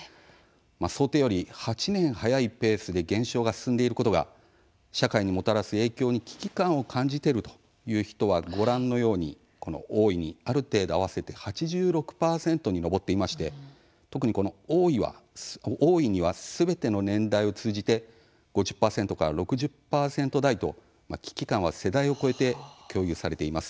想定より８年早いペースで減少が進んでいることが社会にもたらす影響に危機感を感じているという人はご覧のように「大いに」「ある程度」合わせて８６％に上っていまして特に、この「大いに」はすべての年代を通じて５０％から６０％台と危機感は世代を超えて共有されています。